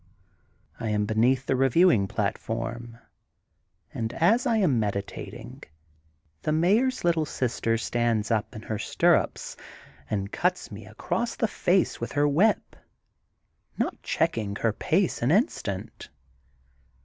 I am beneath the reviewing platform and, as I am meditating, the mayor's little sister stands up in her stirrups and cuts me across the face with her whip, not checking her pace an instant.